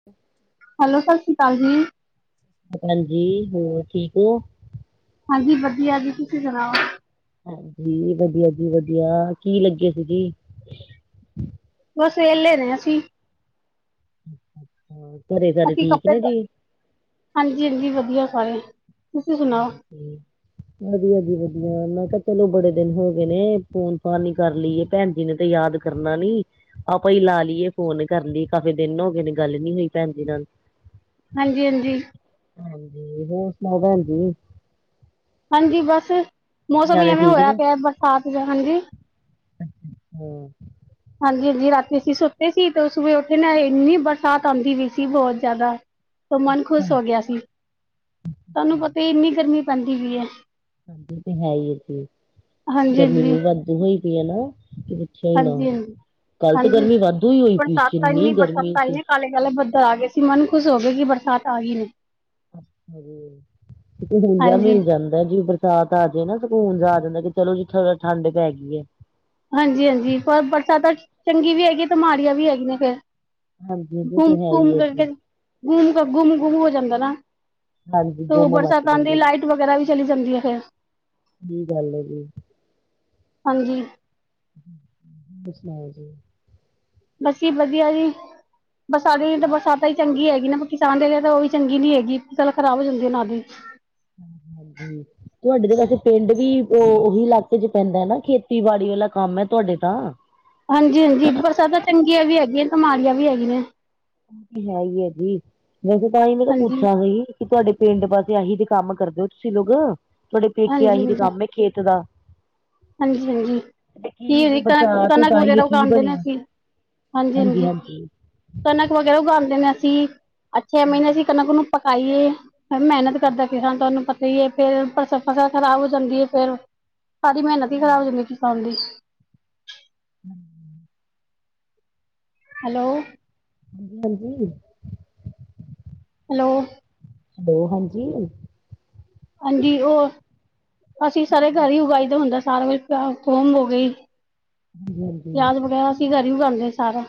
[inaudible] Hello ਸਤਿ ਸ਼੍ਰੀ ਅਕਾਲ ਜੀ। ਹਾਂਜੀ ਹੋਰ ਠੀਕ ਹੋ। ਹਾਂਜੀ ਵਧੀਆ ਜੀ ਤੁਸੀਂ ਸੁਣਾਓ। ਹਾਂਜੀ ਵਧੀਆ ਜੀ ਵਧੀਆ ਕੀ ਲੱਗੇ ਸੀਜੀ। ਬਸ ਵੇਹਲੇ ਰਹੇ ਅਸੀਂ। ਘਰੇ ਸਾਰੇ ਅਸੀਂ ਠੀਕ ਕੱਪੜੇ ਨੇ ਧੋ ਜੀ। ਹਾਂਜੀ ਹਾਂਜੀ ਵਧੀਆ ਸਾਰੇ ਤੁਸੀਂ ਸੁਣਾਓ। ਹਾਂਜੀ ਵਧੀਆ ਜੀ ਵਧੀਆ ਮੈਂ ਕਿਹਾ ਚਲੋ ਬੜੇ ਦਿਨ ਹੋ ਗਏ ਨੇ ਫੋਨ ਫਾਨ ਹੀ ਕਰ ਲਈਏ। ਭੈਣ ਜੀ ਨੇ ਤੇ ਯਾਦ ਕਰਨਾ ਨੀ। ਆਪਾਂ ਹੀ ਲਾ ਲਈਏ ਫੋਨ ਕਰ ਲਈਏ ਕਾਫੀ ਦਿਨ ਹੋ ਗਏ ਨੇ ਗੱਲ ਨੀ ਹੋਈ ਭੈਣਜੀ ਨਾਲ। ਹਾਂਜੀ ਹਾਂਜੀ। ਹਾਂਜੀ ਹੋਰ ਸੁਣਾਓ ਭੈਣ ਜੀ। ਹਾਂਜੀ ਬਸ ਮੌਸਮ ਹੀ ਨਿਆਣੇ ਐਵੇਂ ਠੀਕ ਹੋਇਆ ਨੇ ਪਿਆ ਬਰਸਾਤ ਚ ਹਾਂਜੀ। ਹਮ ਹਾਂਜੀ ਹਾਂਜੀ ਰਾਤੀ ਅਸੀਂ ਸੁੱਤੇ ਸੀ ਤੇ ਸੁਭਾ ਉੱਠੇ ਨਾ ਇੰਨੀ ਬਰਸਾਤ ਆਂਦੀ ਵੀ ਸੀ ਬੋਤ ਜ਼ਿਆਦਾ। ਤ ਮਨ ਖੁਸ਼ ਚਲੋ, ਹੋ ਗਿਆ ਸੀ, ਤੁਹਾਨੂੰ ਪਤਾ ਇੰਨੀ ਗਰਮੀ ਪੈਂਦੀ ਵੀ ਹੈ। ਹਾਂਜੀ ਤੇ ਹੈ ਹੀ ਥੇ ਹਾਂਜੀ ਗਰਮੀ ਹਾਂਜੀ ਵੀ ਵਾਧੂ ਹੋਈ ਪਈ ਹੈ ਨਾ ਕਿ ਪੁੱਛੋ ਹੀ ਨਾ ਹਾਂਜੀ ਹਾਂਜੀ ਕੱਲ ਤਾਂ ਹਾਂਜੀ ਗਰਮੀ ਵਾਧੂ ਹੀ ਹੋਈ ਪਈ ਸੀ ਬਰਸਾਤਾਂ ਇੰਨੀ ਗਰਮੀ ਬਰਸਾਤਾਂ ਆਈ ਸੀ। ਨੇ ਕਾਲੇ ਕਾਲੇ ਬਦਲ ਆਗੇ ਸੀ ਮਨ ਖੁਸ਼ ਹੋ ਗਿਆ ਕਿ ਬਰਸਾਤ ਆ ਗਈ। ਾਂ ਹਿਲ ਜਾ ਹਾਂਜੀ, ਮਿਲ ਜਾਂਦਾ [inaudible] ਬਰਸਾਤ ਆ ਜਾਏ ਨਾ ਸਕੂਨ ਜਾ ਆ ਜਾਂਦਾ ਕਿ ਚਲੋ ਜੀ ਠੰਡ ਪੈ ਗਈ। ਹਾਂਜੀ ਹਾਂਜੀ ਪਰ ਬਰਸਾਤਾਂ ਚੰਗੀ ਵੀ ਹੈਗੀ ਹੈ ਤੇ ਮਾੜੀਆਂ ਵੀ ਹੈਗੀਆਂ ਫੇਰ। ਹਾਂਜੀ ਜੀ ਇਹ ਗੁੁੰਮ ਤੇ ਹੈ ਘੁੰਮ ਹੀ ਹੈ ਜੀ ਕਰਕੇ ਗੁਮ ਗੁੰਮ ਗੁੰਮ ਹੋ ਜਾਂਦਾ ਨਾ ਹਾਂਜੀ ਤੇ ਗੁੰਮ ਮੱਚ ਬਰਸਾਤ ਆਂਦੀ ਜਾਂਦਾ ਜੀ ਲਾਈਟ ਵਗੈਰਾ ਵੀ ਚਲੀ ਜਾਂਦੀ ਹੈ ਫੇਰ। ਕੀ ਗੱਲ ਹੈ। ਹਾਂਜੀ। ਸੁਣਾਓ ਜੀ। ਬਸ ਜੀ ਵਧੀਆ ਜੀ। ਬਰਸਾਤ ਤਾਂ ਬਰਸਾਤ ਹੀ ਚੰਗੀ ਹੈਗੀ ਨਾ ਕਿਸਾਨ ਦੇ ਲਈ ਤਾਂ ਉਹ ਵੀ ਚੰਗੀ ਨੀ ਹੈਗੀ ਫਸਲ ਖਰਾਬ ਹੋ ਜਾਂਦੀ ਹੈ ਉਹਨਾ ਦੀ। ਹਾਂਜੀ। ਤੁਹਾਡੇ ਤਾਂ ਵੈਸੇ ਪਿੰਡ ਵੀ ਉਹੀ ਇਲਾਕੇ ਚ ਪੈਂਦਾ ਹੈ ਨਾ ਖੇਤੀਬਾੜੀ ਵਾਲਾ ਕੰਮ ਹੈ ਤੁਹਾਡੇ ਤਾਂ ਹਾਂਜੀ ਹਾਂਜੀ ਬਰਸਾਤਾਂ ਚੰਗੀਆਂ ਵੀ ਹੈਗੀਆਂ ਤੇ ਮਾੜੀਆ ਵੀ ਹੈਗੀਆਂ ਨੇ। ਹੈ ਈ ਐ ਜੀ ਵੈਸੇ ਤਾਂ ਹੀ ਮੈਂ ਪੁੱ ਹਾਂਜੀ। ਛਿਆ ਸੀ। ਕਿ ਤੁਹਾਡੇ ਪਿੰਡ ਪਾਸੇ ਆਹੀ ਦੇ ਕੰਮ ਕਰਦੇ ਹੋ ਤੁਸੀਂ ਲੋਕ ਤੁਹਾਡੇ ਪੇਕੇ ਹਾਂਜੀ, ਆਹੀ ਤੇ ਹਾਂਜੀ, ਕੰਮ ਹੈ ਖੇਤ ਦਾ। ਹਾਂਜੀ ਤੇ ਕੀ ਹਾਂਜੀ ਬਰਸਾਤ ਕਣਕ ਉਤਾਰੀ ਵਗੈਰਾ ਹੈ ਕੀ ਉਗਾਂਦੇ ਨੇ ਬਣਿਆ ਅਸੀਂ। ਹਾਂਜੀ ਹਾਂਜੀ ਕਣਕ ਵਗੈਰਾ ਉਗਾਦੇ ਨੇ ਅਸੀ ਛੇ ਮਹੀਨੇ ਅਸੀਂ ਕਣਕ ਨੂੰ ਪਕਾਈਏ। ਮਿਹਨਤ ਕਰਦਾ ਕਿਸਾਨ ਤੁਹਾਨੂੰ ਪਤਾ ਹੀ ਏ, ਫੇਰ ਫਸਲ ਖ਼ਰਾਬ ਹੋ ਜਾਂਦੀ ਹੈ, ਫੇਰ ਸਾਰੀ ਮਿਹਨਤ ਹੀ ਖ਼ਰਾਬ ਹੋ ਜਾਂਦੀ ਕਿਸਾਨ ਦੀ। ਹਮ। ਹੈਲੋ। ਹਾਂਜੀ। ਹੈਲੋ। ਹੈਲੋ, ਹਾਂਜੀ। ਹਾਂਜੀ, ਉਹ ਅਸੀਂ ਸਾਰੇ ਘਰ ਹੀ ਉਗਾਈ ਦਾ ਹੁੰਦਾ ਸਾਰਾ ਕੁਛ। ਜਿੱਦਾਂ ਕੁੰਭ ਹੋ ਗਈ ਹਾਂਜੀ ਹਾਂਜੀ ਪਿਆਜ ਵਗੈਰਾ ਅਸੀਂ ਘਰ ਹੀ ਉਗਾਉਂਦੇ ਆ ਸਾਰਾ।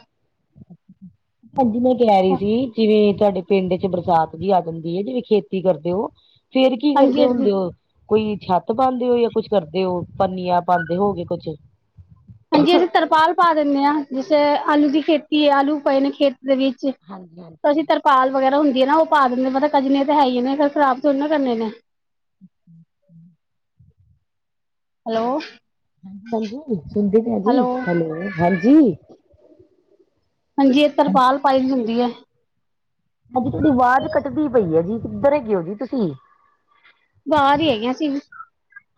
ਹਾਂਜੀ, ਮੈਂ ਕਹਿ ਰਹੀ ਸੀ ਜਿਵੇਂ ਤੁਹਾਡੇ ਪਿੰਡ ਚ ਬਰਸਾਤ ਵੀ ਆ ਜਾਂਦੀ ਹੈ ਜਿਵੇਂ ਖੇਤੀ ਕਰਦੇ ਹੋ ਫੇਰ ਕੀ ਹਾਂਜੀ ਕਰਦੇ ਹਾਂਜੀ ਹੁੰਦੇ ਹੋ? ਕੋਈ ਛੱਤ ਪਾਂਦੇ ਹੋ ਯਾ ਕੁਛ ਕਰਦੇ ਹੋ ਪੰਨੀਆਂ ਪਾਂਦੇ ਹੋਗੇ ਕੁੱਛ। ਹਾਂਜੀ, ਅਸੀਂ ਤਰਪਾਲ ਪਾ ਦਿੰਨੇ ਆ ਜਿੱਸੇ ਆਲੂ ਦੀ ਖੇਤੀ ਹੈ ਆਲੂ ਪਏ ਨੇ ਖੇਤ ਦੇ ਵਿੱਚ। ਹਾਂਜੀ ਹਾਂਜੀ ਅਸੀਂ ਤਰਪਾਲ ਵਗੈਰਾ ਹੁੰਦੀ ਹੈ ਨਾ ਉਹ ਪਾ ਦਿੰਨੇ ਪਤਾ ਕਜਨੇ ਤਾਂ ਹੈ ਹੀ ਨੇ ਫ਼ਿਰ ਖਰਾਬ ਥੋੜੀ ਨਾ ਕਰਨੇ ਨੇ। [unintelligible] ਹੈਲੋ। ਹਾਂਜੀ, ਸੁਣਦੀ ਪਈ ਆ ਜੀ, ਹੈਲੋ ਹੈਲੋ ਹਾਂਜੀ। ਹਾਂਜੀ, ਏ ਤਰਪਾਲ ਪਾਈ ਦੀ ਹੁੰਦੀ ਏ। ਹਾਂਜੀ, ਤੁਹਾਡੀ ਆਵਾਜ਼ ਕੱਟਦੀ ਪਈ ਹੈ ਜੀ ਕਿੱਧਰ ਹੈਗੇ ਹੋ ਜੀ ਤੁਸੀਂ। ਬਾਰ ਹੀ ਹੈਗੇ ਆ ਅਸੀ।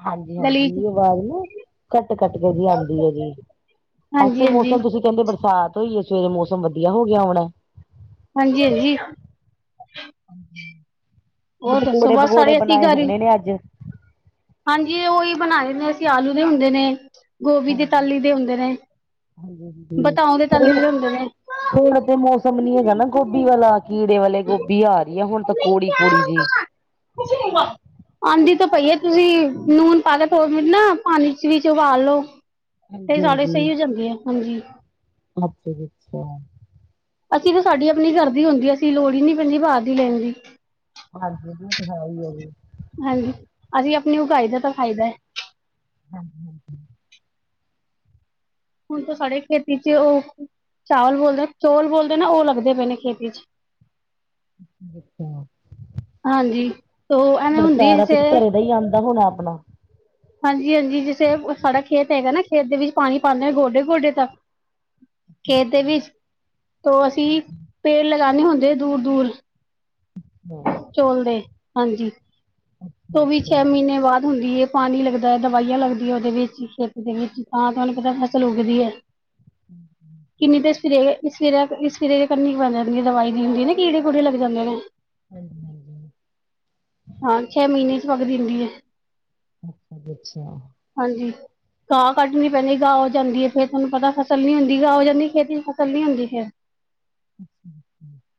ਹਾਂਜੀ-ਹਾਂਜੀ ਅਬ ਆ ਰੀ ਏ। ਕਟ-ਕਟ ਕੇ ਜੀ ਆਂਦੀ ਏ ਜੀ ਹਾਂਜੀ ਅੱਥੇ ਹਾਂਜੀ ਮੌਸਮ ਤੁਸੀਂ ਕਹਿੰਦੇ ਬਰਸਾਤ ਹੋਈ ਹੈ ਸਵੇਰੇ ਮੌਸਮ ਵਧੀਆ ਹੋ ਗਿਆ ਹੋਣਾ। ਹਾਂਜੀ-ਹਾਂਜੀ। ਹੋਰ ਦੱਸੋ ਬਸ ਪਕੂੜੇ-ਪਕੌੜੇ ਸਾਰੇ ਅਸੀਂ ਬਣਾਏ ਘਰ ਹੀ ਹੋਣੇ ਨੇ ਅੱਜ। ਹਾਂਜੀ, ਉਹੀ ਬਣਾਏ ਨੇ ਅਸੀਂ ਆਲੂ ਦੇ ਹੁੰਦੇ ਨੇ। ਗੋਭੀ ਦੇ ਤਾਲ ਹਾਂਜੀ ਲੀ ਦੇ ਹੁੰਦੇ ਨੇ, ਹਾਂਜੀ ਹਾਂਜੀ ਬਤਾਓ ਦੇ ਤਾਲ ਪਰ ਲੀ ਦੇ ਹੁੰਦੇ ਨੇ। ਹੁਣ ਤੇ ਮੌਸਮ ਨੀ ਹੈਗਾ ਨਾ ਗੋਭੀ ਵਾਲਾ। ਕੀੜੇ ਵਾਲੇ ਗੋਭੀ ਆ ਰਹੀ ਹੈ ਹੁਣ ਤਾਂ ਕੋੜੀ-ਕੋੜੀ ਜੀ। ਕੁਛ ਨੀ ਮ। ਆਂਦੀ ਤਾਂ ਪਈਏ ਤੁਸੀਂ ਨੂਨ ਪਾ ਕੇ ਦੋ ਮਿੰਟ ਨਾ ਪਾਣੀ ਚ ਵੀਚ ਉਬਾਲ ਲੋੋ। ਤੇ ਹਾਂਜੀ ਸਾਰੇ ਹਾਂਜੀ ਸਹੀ ਹੋ ਜਾਂਦੇ ਆ ਹਾਂਜੀ। ਅੱਛਾ ਜੀ ਅੱਛਾ। ਅਸੀਂ ਤੇ ਸਾਡੀ ਆਪਣੀ ਘਰ ਦੀ ਹੁੰਦੀ ਅਸੀਂ ਲੋੜ ਹੀ ਨੀ ਪੈਂਦੀ ਬਾਹਰ ਦੀ ਲੈਣ ਦੀ। ਹਾਂਜੀ, ਉਹ ਤੇ ਹੈ ਹੀ ਹੈ ਜੀ। ਹਾਂਜੀ, ਅਸੀਂ ਆਪਣੀ ਉਗਾਈ ਦਾ ਤਾਂ ਫਾਇਦਾ ਹੈ। ਹਾਂ ਹੁਣ ਤ ਸਾਡੇ ਖੇਤੀ ਚ ਉਹ ਚਾਵਲ ਬੋਲਦੇ ਚੌਲ ਬੋਲਦੇ ਨਾ ਉਹ ਲੱਗਦੇ ਪਏ ਨੇ ਖੇਤੀ ਚ। [inaudible] ਹਾਂਜੀ ਤੋ ਐਵੇਂ ਫਿਰ ਹੁੰਦੀ ਹੈ ਸਾਰਾ ਜਿਸੇ ਕੁਛ ਘਰੇ ਦਾ ਹੀ ਆਂਦਾ ਹੋਣਾ ਆਪਣਾ। ਹਾਂਜੀ-ਹਾਂਜੀ ਜਿੱਥੇ ਉ ਸਾਡਾ ਖੇਤ ਹੈਗਾ ਨਾ ਖੇਤ ਦੇ ਵਿੱਚ ਪਾਣੀ ਪਾਨੇ ਆ ਗੋਡੇ-ਗੋਡੇ ਤੱਕ। ਖੇਤ ਦੇ ਵਿੱਚ ਤੋ ਅਸੀਂ ਪੇੜ ਲਗਾਨੇ ਹੁੰਦੇ ਦੂਰ-ਦੂਰ। ਹਾਂ ਚੌਲ ਦੇ ਹਾਂਜੀ ਉਹ ਅੱਛਾ ਵੀ ਅੱਛਾ ਛੇ ਮਹੀਨੇ ਬਾਦ ਹੁੰਦੀ ਹੈ। ਪਾਣੀ ਲੱਗਦਾ, ਦਵਾਈਆਂ ਲੱਗਦੀਆਂ ਉਹਦੇ ਵਿੱਚ ਖੇਤ ਦੇ ਵਿੱਚ ਤਾਂ ਤੁਹਾਨੂੰ ਪਤਾ ਫਸਲ ਉੱਗਦੀ ਹੈ। ਕਿੰਨੀ ਦੇ [unintelligible] [unintelligible] ਇਸ ਸਿਰੇ ਇਹ ਕੰਨੀ ਬਣ ਜਾਂਦੀ ਹੈ ਦਵਾਈ ਨੀ ਹੁੰਦੀ ਨਾ ਕੀੜੇ ਕੂੜੇ ਲੱਗ ਜਾਂਦੇ ਨੇ। ਹਾਂ ਹਾਂ ਛੇ ਮਹੀਨੇ ਚ ਵਗ ਦਿੰਨੀ ਏ। ਅੱਛਾ ਜੀ ਅੱਛਾ। ਹਾਂਜੀ ਗਾਹ ਕੱਢਣੀ ਪੈਂਣੀ ਗਾਹ ਹੋ ਜਾਂਦੀ ਏ ਫੇਰ ਤੁਹਾਨੂੰ ਪਤਾ ਫਸਲ ਨੀ ਹੁੰਦੀ ਗਾਹ ਹੋ ਜਾਂਦੀ ਖੇਤੀ 'ਚ ਫ਼ਸਲ ਨੀ ਹੁੰਦੀ ਫਰ [inaudible] [inaudible]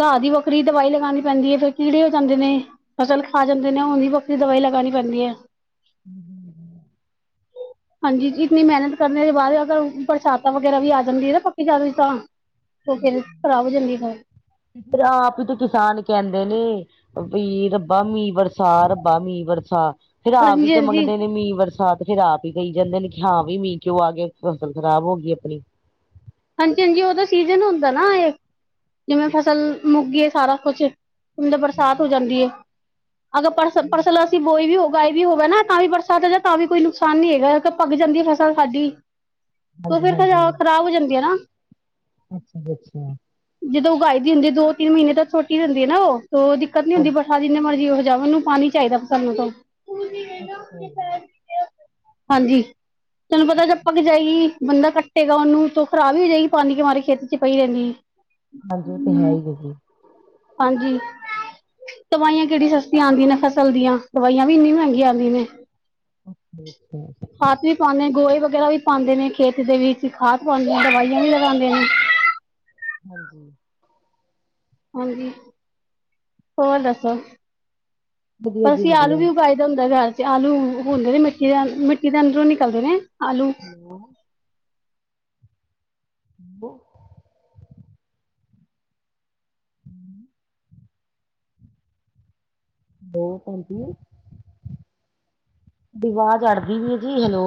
ਗਾਹ ਦੀ ਵੱਖਰੀ ਦਵਾਈ ਲਗਾਣੀ ਪੈਂਦੀ ਏ ਫੇਰ ਕੀੜੇ ਹੋ ਜਾਂਦੇ ਨੇ। ਫਸਲ ਖਾ ਜਾਂਦੇ ਨੇ ਉਹਦੀ ਵੱਖਰੀ ਦਵਾਈ ਲਗਾਣੀ ਪੈਂਦੀ ਏ। [unintelligible] [inaudible] ਹਾਂਜੀ ਜੀ ਇਤਨੀ ਮਿਹਨਤ ਕਰਨ ਦੇ ਬਾਅਦ ਅਗਰ ਬਰਸਾਤਾਂ ਵਗੈਰਾ ਵੀ ਆ ਜਾਂਦੀ ਨਾ ਪੱਕੀ [unintelligible] ਤਾਂ ਉਹ ਫਿਰ, ਖਰਾਬ ਹੋ ਜਾਂਦੀ ਸਾ। ਫਿਰ ਆਪ ਤੇ ਕਿਸਾਨ ਕਹਿੰਦੇ ਨੇ ਵੀ ਰੱਬਾ ਮੀਂ ਵਰਸਾ ਰੱਬਾ ਮੀਂ ਵਰਸਾ। ਫਿਰ ਆਪ ਵੀ ਹਾਂਜੀ ਤੇ ਹਾਂਜੀ ਮੰਗਦੇ ਨੇ ਮੀਂਹ ਬਰਸਾਤ। ਫਿਰ ਆਪ ਹੀ ਕਹੀ ਜਾਂਦੇ ਨੇ ਕਿ ਹਾਂ ਬੀ ਮੀਂਹ ਕਿਉਂ ਆ ਗਏ ਫਸਲ ਖਰਾਬ ਹੋ ਗਈ ਆਪਣੀ। ਹਾਂਜੀ-ਹਾਂਜੀ ਉਹਦਾ ਸੀਜਨ ਹੁੰਦਾ ਨਾ ਇਹ, ਜਿਵੇਂ ਫਸਲ ਮੁਗੀ ਏ ਸਾਰਾ ਕੁਛ। ਅੰਦਰ ਬਰਸਾਤ ਹੋ ਜਾਂਦੀ ਏ। ਅਗ ਪਰਸ-ਪਰਸਲਸ ਦੀ ਬੋਈ ਵੀ ਉਗਾਈ ਵੀ ਹੋਵੇ ਨਾ ਤਾਂ ਵੀ ਬਰਸਾਤ ਹੋ ਜਾਵੇ ਤਾਂ ਵੀ ਕੋਈ ਨੁਕਸਾਨ ਨਹੀਂ ਹੈਗਾ ਪੱਕ ਜਾਂਦੀ ਏ ਫ਼ਸਲ ਸਾਡੀ। ਤੋ ਹਾਂਜੀ ਫਿਰ ਖਜਾ ਹਾਂਜੀ ਖ਼ਰਾਬ ਹੋ ਜਾਂਦੀ ਆ ਨਾ। ਅੱਛਾ ਜੀ ਅੱਛਾ। ਜਦੋਂ ਉਗਾਈ ਦੀ ਹੁੰਦੀ ਏ ਦੋ-ਤਿੰਨ ਮਹੀਨੇ ਤਾਂ ਛੋਟੀ ਹੁੰਦੀ ਏ ਨਾ ਉਹ। ਤੋ ਦਿੱਕਤ ਨੀ ਹੁੰਦੀ ਬਰਸਾਤ ਜਿੰਨੇ ਮਰਜ਼ੀ ਉਹ ਜਾਵੇ ਮੈਨੂੰ ਪਾਣੀ ਚਾਹੀਦਾ ਫਸਲ ਨੂੰ ਤੋ। ਅੱਛਾ ਜੀ [inaudible] ਹਾਂਜੀ, ਤੈਨੂੰ ਪਤਾ ਜਬ ਪਕ ਜਾਏਗੀ ਬੰਦਾ ਕੱਟੇਗਾ ਉਹਨੂੰ ਤੋ ਖਰਾਬ ਹੀ ਹੋ ਜਾਏਗੀ ਪਾਣੀ ਕਿ ਮਾਰੇ ਖੇਤ 'ਚ ਪਈ ਰਹਦੀ। ਹਾਂਜੀ ਉਹ ਤੇ ਹੈ ਈ [unintelligible] ਹਾਂਜੀ ਦਵਾਈਆਂ ਕਿਹੜੀ ਸਸਤੀਆਂ ਆਂਦੀਆਂ ਨੇ ਫਸਲ ਦੀਆਂ ਦਵਾਈਆਂ ਵੀ ਇੰਨੀ ਮਹਿੰਗੀਆਂ ਆਂਦੀ ਨੇ। ਅੱਛਾ ਅੱਛਾ ਆਸਿਫ ਪਾਉਂਦੇ ਆ ਗੋਹੇ ਵਗੈਰਾ ਵੀ ਪਾਂਦੇ ਨੇ ਖੇਤ ਦੇ ਵਿੱਚ ਖਾਦ ਪਾਉਂਦੇ ਨੇ ਦਵਾਈਆਂ ਵੀ ਲਗਾਂਦੇ ਨੇ। ਹਾਂਜੀ ਹਾਂਜੀ, ਹੋਰ ਦੱਸੋ, ਵਧੀਆ ਜੀ ਅਸੀਂ ਆਲੂ ਵਧੀਆ ਵੀ ਉਗਾਈ ਹੁੰਦਾ ਘਰ 'ਚ ਆਲੂ ਹੁੰਦੇ ਨੇ ਮਿੱਟੀ ਦੇ ਅਮ ਮਿੱਟੀ ਦੇ ਅੰਦਰੋਂ ਨਿਕਲਦੇ ਨੇ ਆਲੂ। ਹੂੰ ਹੋ [unintelligible] ਹੈਲੋ ਭੈਣ ਜੀ, ਵਾਜ਼ ਅੜਦੀ ਪੀ ਏ ਜੀ ਹੈਲੋ।